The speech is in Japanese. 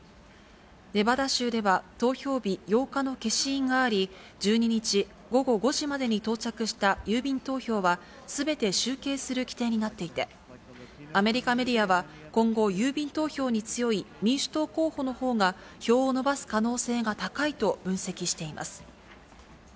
ネバダ州では、投票日８日の消印があり、１２日午後５時までに到着した郵便投票は、すべて集計する規定になっていて、アメリカメディアは、今後、郵便投票に強い民主党候補のほうが票を伸ばす可能性が高いと分析しています。